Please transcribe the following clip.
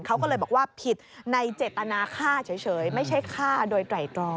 เขาก็เลยบอกว่าผิดในเจตนาฆ่าเฉยไม่ใช่ฆ่าโดยไตรตรอง